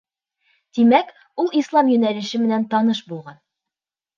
Тимәк, ул Ислам йүнәлеше менән таныш булған.